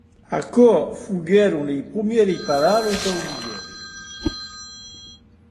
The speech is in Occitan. Il a un poignard, lieutenant, sigueren es prumères paraules qu’entenec.